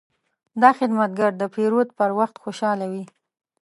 دا خدمتګر د پیرود پر وخت خوشحاله وي.